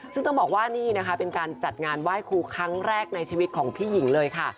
ซึ่งต้องบอกว่านี่นะคะเป็นการจัดงานไหว้ครูครั้งแรกในชีวิตของพี่หญิงเลยค่ะ